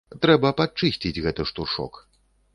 Трэба падчысціць гэты штуршок.